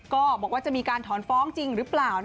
ก็บอกว่าจะมีการถอนฟ้องจริงหรือเปล่า